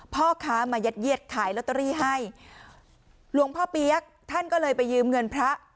พ่อค้ามายัดเยียดขายลอตเตอรี่ให้หลวงพ่อเปี๊ยกท่านก็เลยไปยืมเงินพระ